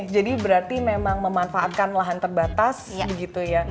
jadi berarti memang memanfaatkan lahan terbatas begitu ya